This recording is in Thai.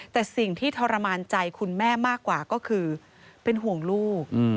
แต่สิ่งที่ทรมานใจคุณแม่มากกว่าก็คือเป็นห่วงลูก